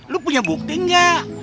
lo punya bukti nggak